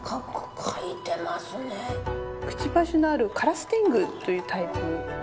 くちばしのあるカラス天狗というタイプ。